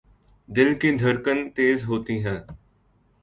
دل کی دھڑکن تیز ہوتی ہے